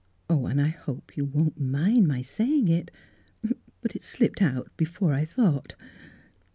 Oh, and I hope you won't mind my say ing it; but it slipped out before I thought."